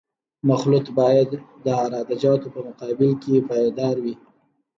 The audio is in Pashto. مخلوط باید د عراده جاتو په مقابل کې پایدار وي